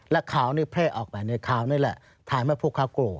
และข่าวนี้เพลกออกไปข่าวนี้แหละถ่ายมาพวกเขากลัว